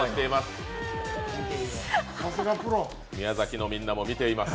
宮崎のみんなも見ています、